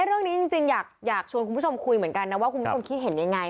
เรื่องนี้จริงอยากชวนคุณผู้ชมคุยเหมือนกันนะว่าคุณผู้ชมคิดเห็นยังไง